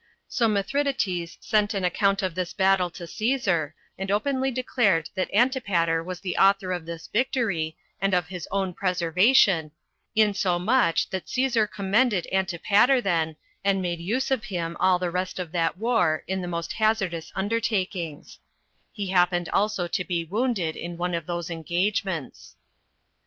So Mithridates sent an account of this battle to Cæsar, and openly declared that Antipater was the author of this victory, and of his own preservation, insomuch that Cæsar commended Antipater then, and made use of him all the rest of that war in the most hazardous undertakings; he happened also to be wounded in one of those engagements.